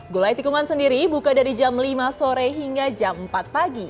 gulai tikungan sendiri buka dari jam lima sore hingga jam empat pagi